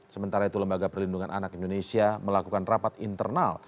sementara itu lembaga perlindungan anak indonesia melakukan rapat internal